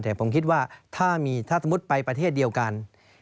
แต่ผมคิดว่าถ้าสมมุติไปประเทศเดียวกัน